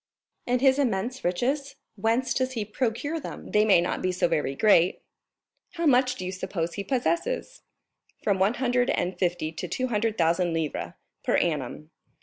"And his immense riches, whence does he procure them?" "They may not be so very great." "How much do you suppose he possesses?" "From one hundred and fifty to two hundred thousand livres per annum."